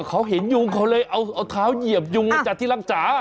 เขาเห็นยุงเขาเลยเอาเท้าเหยียบยุงมาจากที่รักษา